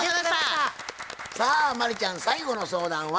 さあ真理ちゃん最後の相談は？